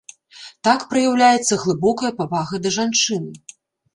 Так праяўляецца глыбокая павага да жанчыны.